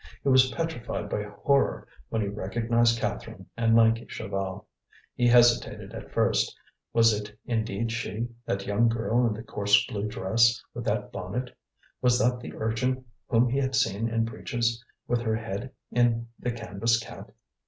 He was petrified by horror when he recognized Catherine and lanky Chaval. He hesitated at first: was it indeed she, that young girl in the coarse blue dress, with that bonnet? Was that the urchin whom he had seen in breeches, with her head in the canvas cap?